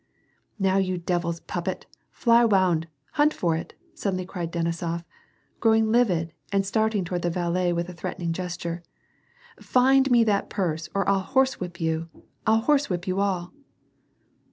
'•Now you devil's puppet, fly awound, hunt for it," suddenly cried Denisof, growing livid, and starting toward the valet with a threatening gesture. "Find me that purse or I'll horse whip you ! I'll horsewhip you all